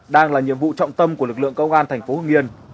đang là nhiệm vụ trọng tâm của lực lượng công an thành phố hưng yên